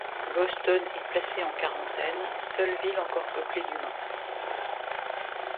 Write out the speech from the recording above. Boston est placé en quarantaine, seule ville encore peuplée d'humains.